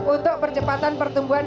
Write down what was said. untuk percepatan pertumbuhan